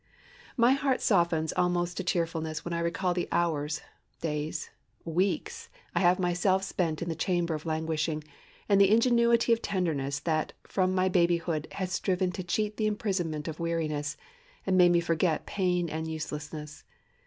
My heart softens almost to tearfulness when I recall the hours, days, weeks, I have myself spent in the chamber of languishing, and the ingenuity of tenderness that, from my babyhood, has striven to cheat the imprisonment of weariness, and make me forget pain and uselessness.